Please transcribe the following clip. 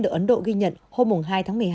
được ấn độ ghi nhận hôm hai tháng một mươi hai